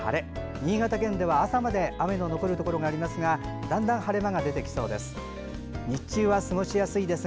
新潟県では朝まで雨の降るところがありますがだんだん晴れ間が出てきそうです。